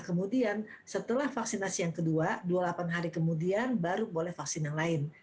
kemudian setelah vaksinasi yang kedua dua puluh delapan hari kemudian baru boleh vaksin yang lain